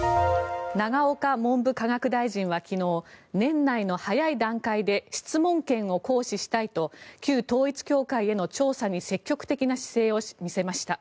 永岡文部科学大臣は昨日年内の早い段階で質問権を行使したいと旧統一教会への調査に積極的な姿勢を見せました。